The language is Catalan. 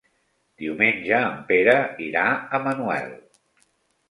Diumenge en Pere irà a Manuel.